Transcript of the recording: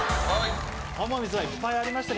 天海さんいっぱいありましたね。